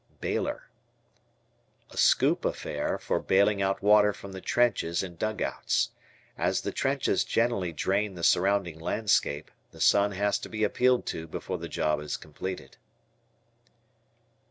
Baler. A scoop affair for baling out water from the trenches and dugouts. As the trenches generally drain the surrounding landscape, the sun has to be appealed to before the job is completed.